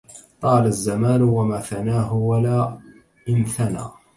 طال الزمان وما ثناه ولا انثنى